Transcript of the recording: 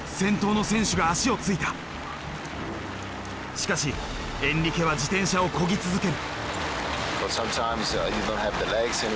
しかしエンリケは自転車をこぎ続ける。